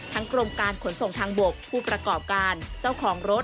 กรมการขนส่งทางบกผู้ประกอบการเจ้าของรถ